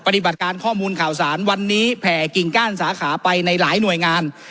ปฏิบัติการข้อมูลข่าวสารวันนี้แผ่กิ่งก้านสาขาไปในหลายหน่วยงาน